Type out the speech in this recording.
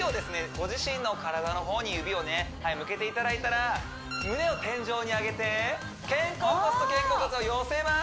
ご自身の体の方に指を向けていただいたら胸を天井に上げて肩甲骨と肩甲骨を寄せます